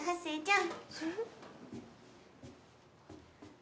ん？